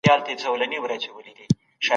مجاهدین تل د خپل هدف دپاره جنګېدی.